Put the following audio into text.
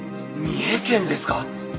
三重県ですか？